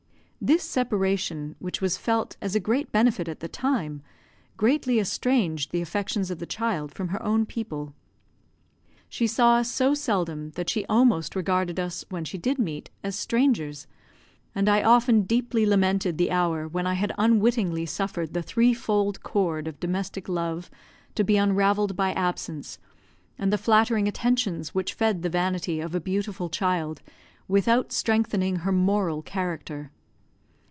This separation, which was felt as a great benefit at the time, greatly estranged the affections of the child from her own people. She saw us so seldom that she almost regarded us, when she did meet, as strangers; and I often deeply lamented the hour when I had unwittingly suffered the threefold cord of domestic love to be unravelled by absence, and the flattering attentions which fed the vanity of a beautiful child, without strengthening her moral character.